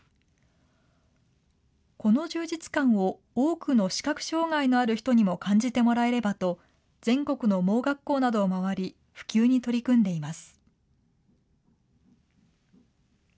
この充実感を多くの視覚障害のある人にも感じてもらえればと、全国の盲学校などを回り、普及に取り組んでいます。